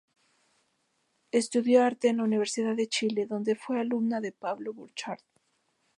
Estudió arte en la Universidad de Chile donde fue alumna de Pablo Burchard.